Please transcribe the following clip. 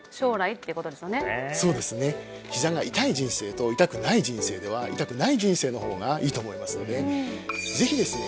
ひざが痛い人生と痛くない人生では痛くない人生の方がいいと思いますのでぜひですね